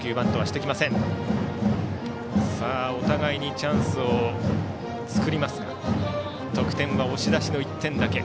お互いにチャンスを作りますが得点は押し出しの１点だけ。